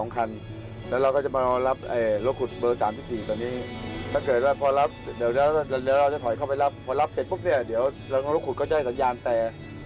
ก็จะเข้าพบเนี่ยเดี๋ยวระหว่างรักขุดก็จะให้สัญญาณแตก